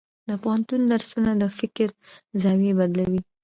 د پوهنتون درسونه د فکر زاویې بدلوي.